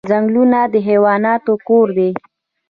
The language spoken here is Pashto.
ځنګلونه د حیواناتو کور دی